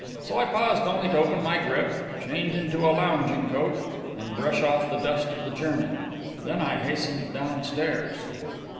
So I paused only to open my grip, change into a lounging coat, and brush off the dust of the journey. Then I hastened downstairs.